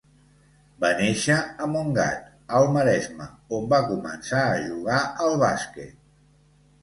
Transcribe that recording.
Va néixer a Montgat, al Maresme, on va començar a jugar al bàsquet.